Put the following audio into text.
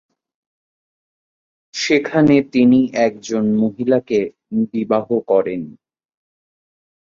সেখানে তিনি একজন মহিলাকে বিবাহ করেন।